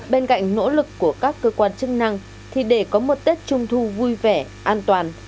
bên cạnh nỗ lực của các cơ quan chức năng thì để có một tết trung thu vui vẻ an toàn